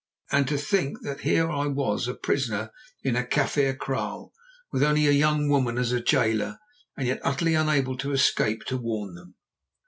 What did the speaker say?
And to think that here I was, a prisoner in a Kaffir kraal, with only a young woman as a jailer, and yet utterly unable to escape to warn them.